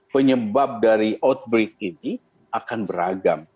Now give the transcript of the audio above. penyebab dari outbreak ini akan beragam